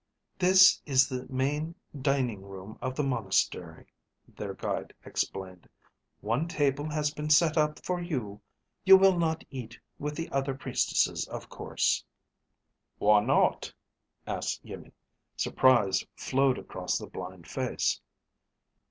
"This is the main dining room of the monastery," their guide explained. "One table has been set up for you. You will not eat with the other priestesses, of course." "Why not?" asked Iimmi. Surprise flowed across the blind face.